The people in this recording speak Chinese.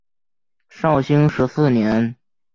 绍兴十四年。